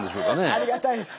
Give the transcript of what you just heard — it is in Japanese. ありがたいです。